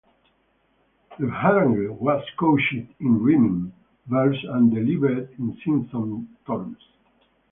The harangue was couched in rhyming verse and delivered in singsong tones.